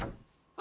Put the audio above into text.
あ。